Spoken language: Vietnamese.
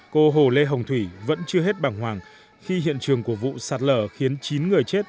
cô hồ lê hồng thủy vẫn chưa hết bằng hoàng khi hiện trường của vụ sạt lở khiến chín người chết